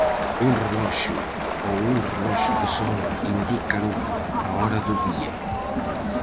Un reloxo ou un reloxo de sol indican a hora do día.